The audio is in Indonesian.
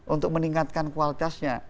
untuk meningkatkan kualitasnya